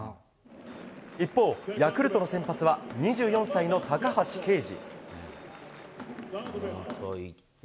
一方、ヤクルトの先発は２４歳の高橋奎二。